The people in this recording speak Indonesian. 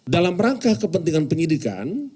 dalam rangka kepentingan penyidikan